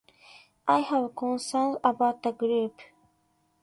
I have concerns about the group.